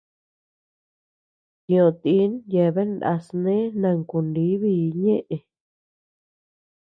Tioʼö tin yeabean naa snee nankuníbii ñëʼe.